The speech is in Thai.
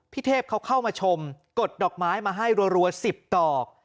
เทพเขาเข้ามาชมกดดอกไม้มาให้รัว๑๐ตอก